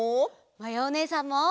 まやおねえさんも！